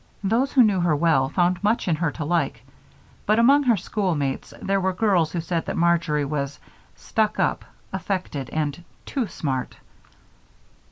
Those who knew her well found much in her to like, but among her schoolmates there were girls who said that Marjory was "stuck up," affected, and "too smart."